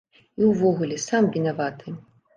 І ўвогуле, сам вінаваты.